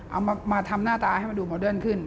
เอามาทำหน้าตาให้มันดูโมเดิร์นขึ้น